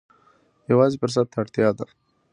یوازې فرصت ته اړتیا ده.